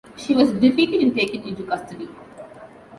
She was defeated and taken into custody.